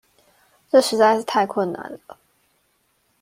這實在是太困難了